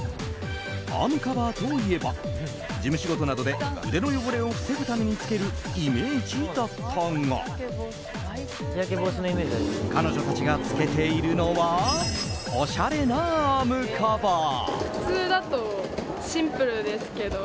アームカバーといえば事務仕事などで腕の汚れを防ぐために着けるイメージだったが彼女たちが着けているのはおしゃれなアームカバー。